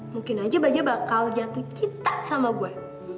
mungkin aja baja bakal jatuh cinta sama gue